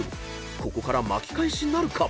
［ここから巻き返しなるか？